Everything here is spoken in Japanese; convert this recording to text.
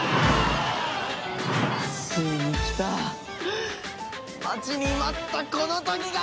ついにきた待ちに待ったこの時が！